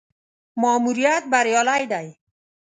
ماموریت بریالی دی.